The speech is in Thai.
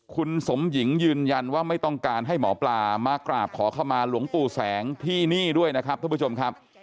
คุณสมหญิงยืนยันว่าไม่ต้องการให้หมอปลามากราบขอเข้ามาหลวงปู่แสงที่นี่ด้วยนะครับท่านผู้ชมครับ